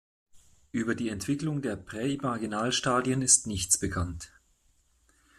Über die Entwicklung der Präimaginalstadien ist nichts bekannt.